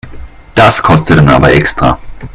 Das kostet dann aber extra.